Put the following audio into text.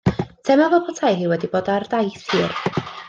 Teimlai fel petai hi wedi bod ar daith hir.